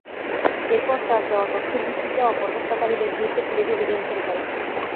এরপর তাঁর দেওয়া তথ্যের ভিত্তিতে অপর হত্যাকারীদের ধরতে পুলিশ অভিযান শুরু করে।